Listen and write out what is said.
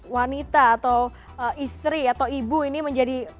wanita atau istri atau ibu ini menjadi